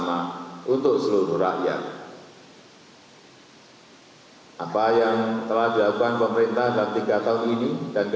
jadi kalau tadi pak erlangga menyampaikan masalah kekhawatiran di nomor tiga tidak